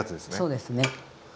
そうですね。